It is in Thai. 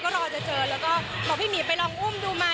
ก็รอจะเจอแล้วก็บอกพี่หมีไปลองอุ้มดูมา